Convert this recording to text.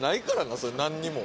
それ何にも。